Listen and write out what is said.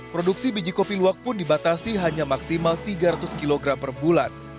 produksi biji kopi luwak pun dibatasi hanya maksimal tiga ratus kg per bulan